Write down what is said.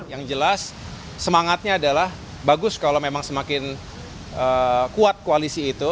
yang jelas semangatnya adalah bagus kalau memang semakin kuat koalisi itu